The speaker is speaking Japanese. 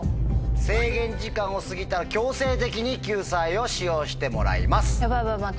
制限時間を過ぎたら強制的に救済を使用してもらいます。